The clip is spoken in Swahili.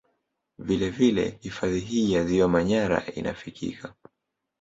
Vile vile hifadhi hii ya ziwa Manyara inafikika